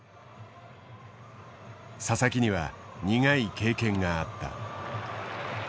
佐々木には苦い経験があった。